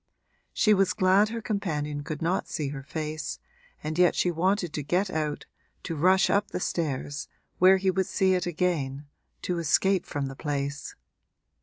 She was glad her companion could not see her face, and yet she wanted to get out, to rush up the stairs, where he would see it again, to escape from the place.